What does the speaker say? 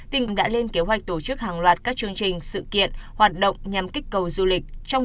tỉnh đã lên kế hoạch tổ chức hàng loạt các chương trình sự kiện hoạt động nhằm kích cầu du lịch trong